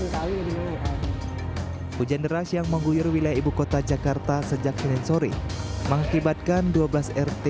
hai hujan deras yang mengguyur wilayah ibukota jakarta sejak senin sore mengakibatkan dua belas rt